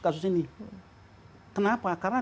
kasus ini kenapa karena